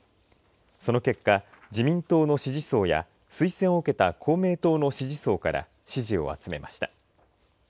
その結果自民党の支持層や推薦を受けた公明党の支持層から支持を集めました。